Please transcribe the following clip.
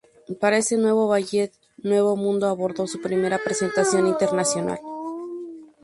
Para ese año el Ballet Nuevo Mundo abordó su primera presentación internacional.